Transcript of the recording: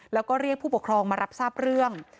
แล้วก็เรียกผู้ปกครองมารับทราบเรื่อง